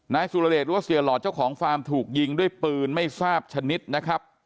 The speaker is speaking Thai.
นายสุรเดชหรือว่าเสียหลอดเจ้าของฟาร์มถูกยิงด้วยปืนไม่ทราบชนิดนะครับ